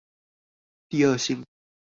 第二性